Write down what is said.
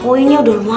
koinnya udah lumayan